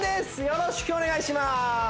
よろしくお願いします